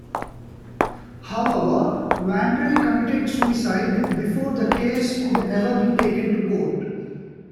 However, Vandrei committed suicide before the case could ever be taken to court.